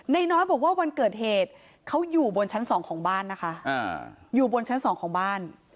ในน้อยบอกว่าวันเกิดเหตุเขาอยู่บนชั้นสองของบ้านนะคะ